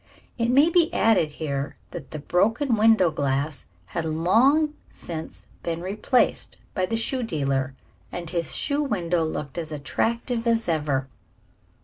It may be added here, that the broken window glass had long since been replaced by the shoe dealer, and his show window looked as attractive as ever.